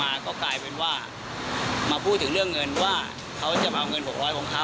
เขาก็คุยว่าเขาจะไปแจ้งความเขาจะไปฟ้องแรงงาน